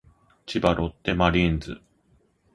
千葉ロッテマリーンズ